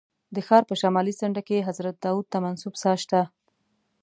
د ښار په شمالي څنډه کې حضرت داود ته منسوب څاه شته.